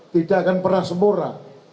tidak akan pernah sempurna